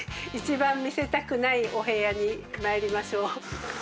一番見せたくないお部屋に参りましょう。